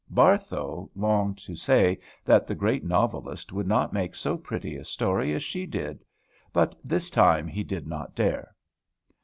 Barthow longed to say that the great novelist would not make so pretty a story as she did. But this time he did not dare.